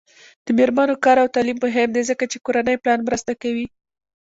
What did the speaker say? د میرمنو کار او تعلیم مهم دی ځکه چې کورنۍ پلان مرسته کوي.